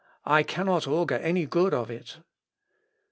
I cannot augur any good of it."